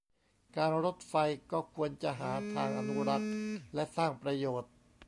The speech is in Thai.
การรถไฟก็ควรจะหาทางอนุรักษ์ และ สร้างประโยชน์